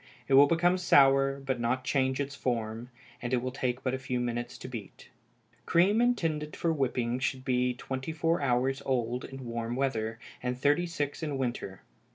It will become sour, but not change its form; and it will take but a few minutes to beat. Cream intended for whipping should be twenty four hours old in warm weather, and thirty six in winter.